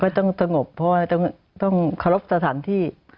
ก็ต้องต้องขอบศาลที่